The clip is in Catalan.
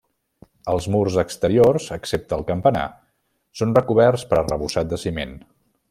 Els murs exteriors, excepte el campanar, són recoberts per arrebossat de ciment.